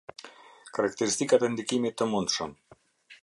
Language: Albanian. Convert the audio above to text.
Karakteristikat e ndikimit të mundshëm.